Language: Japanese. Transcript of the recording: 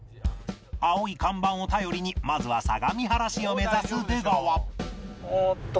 青い看板を頼りにまずは相模原市を目指す出川